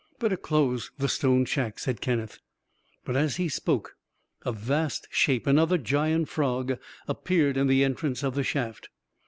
"Better close the stone shack," said Kenneth. But as he spoke, a vast shape, another giant frog, appeared in the entrance of the shaft.